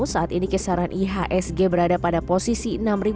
saat ini kisaran ihsg berada pada posisi enam